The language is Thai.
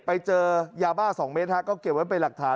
ไปเจอยาบ้า๒เมตรก็เก็บไว้เป็นหลักฐาน